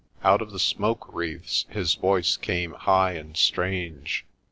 Out of the smoke wreaths his voice came high and strange.